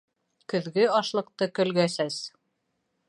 Көҙгө ашлыҡты көлгә сәс